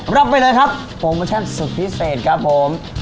รับไปเลยครับโปรโมชั่นสุดพิเศษครับผม